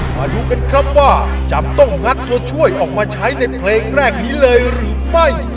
มาดูกันครับว่าจะต้องงัดตัวช่วยออกมาใช้ในเพลงแรกนี้เลยหรือไม่